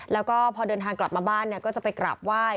แล้วก็พอเดินทางกลับมาบ้านก็จะไปกราบไหว้